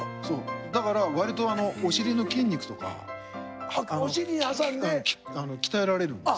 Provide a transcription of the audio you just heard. だからわりとお尻の筋肉とか鍛えられるんです。